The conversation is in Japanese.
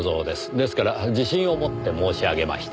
ですから自信を持って申し上げました。